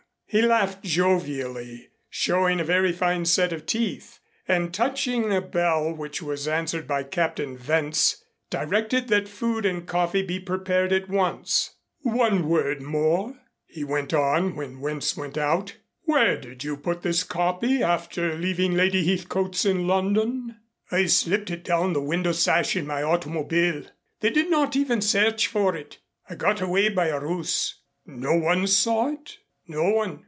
He laughed jovially, showing a very fine set of teeth, and, touching a bell which was answered by Captain Wentz, directed that food and coffee be prepared at once. "One word more," he went on, when Wentz went out, "where did you put this copy after leaving Lady Heathcote's in London?" "I slipped it down the window sash in my automobile. They did not even search for it. I got away by a ruse." "No one saw it?" "No one.